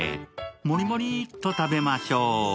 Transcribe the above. モリモリと食べましょう！